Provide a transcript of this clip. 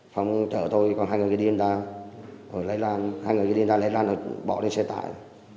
phong chở tôi còn hai người điên ra lấy lan hai người điên ra lấy lan bỏ lên xe tải